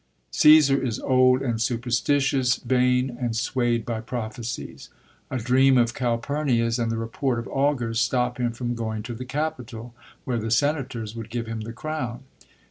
Csdsar is old and superstitious, vain and swayd by prophecies. A dream of Calphumia's and the report of augurs stop him from going to the Capitol, where the senators would give him the crown.